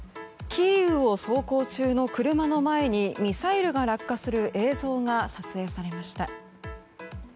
キーウを走行中の車の前にミサイルが落下する映像が撮影されました。